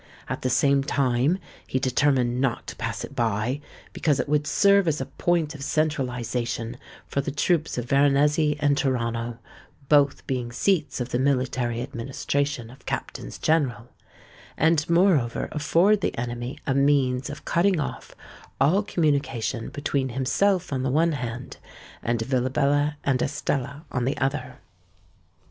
At the same time, he determined not to pass it by, because it would serve as a point of centralisation for the troops of Veronezzi and Terano (both being seats of the military administration of Captains General), and moreover afford the enemy a means of cutting off all communication between himself on the one hand, and Villabella and Estella on the other.